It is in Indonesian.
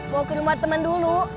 mau ke rumah teman dulu